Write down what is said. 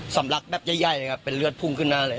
สำลักแบบใหญ่เลยครับเป็นเลือดพุ่งขึ้นหน้าเลย